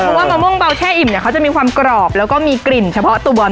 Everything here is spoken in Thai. เพราะว่ามะม่วงเบาแช่อิ่มเนี่ยเขาจะมีความกรอบแล้วก็มีกลิ่นเฉพาะตัวบอล